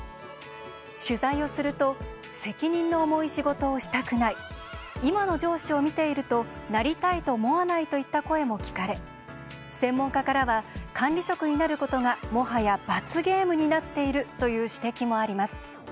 取材をすると「責任の重い仕事をしたくない」「今の上司を見ているとなりたいと思わない」といった声も聞かれ専門家からは管理職になることがもはや罰ゲームになっているという指摘もあります。